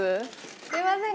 すいません